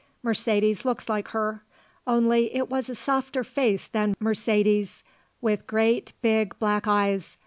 Mercedes looks like her; only it was a softer face than Mercedes's with great, big black eyes.